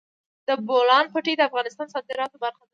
د بولان پټي د افغانستان د صادراتو برخه ده.